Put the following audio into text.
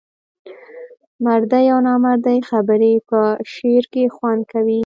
مردۍ او نامردۍ خبري په شعر کې خوند کوي.